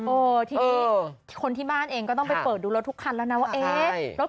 เออทีนี้คนที่บ้านเองก็ต้องไปเปิดดูรถทุกคันแล้วนะว่าเอ๊ะ